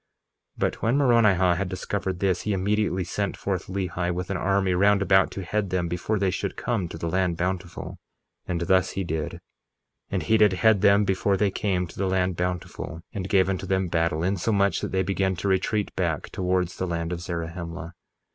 1:28 But when Moronihah had discovered this, he immediately sent forth Lehi with an army round about to head them before they should come to the land Bountiful. 1:29 And thus he did; and he did head them before they came to the land Bountiful, and gave unto them battle, insomuch that they began to retreat back towards the land of Zarahemla.